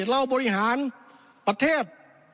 เราบริหารประเทศ